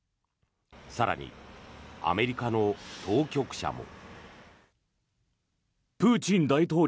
更にアメリカの当局者も。